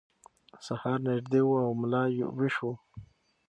سهار نږدې و او ملا ویښ و.